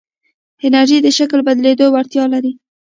انرژی د شکل بدلېدو وړتیا لري.